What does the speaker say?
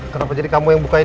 kenapa jadi kamu yang bukain